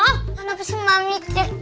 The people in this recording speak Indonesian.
kenapa sih mami